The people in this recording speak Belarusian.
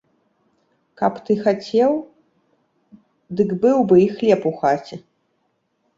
Каб ты хацеў, дык быў бы і хлеб у хаце.